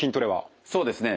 そうですね